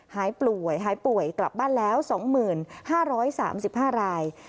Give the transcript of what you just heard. หายป่วยหายป่วยกลับบ้านแล้ว๒๕๓๕ราย